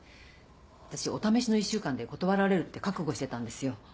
私お試しの１週間で断られるって覚悟してたんですよ。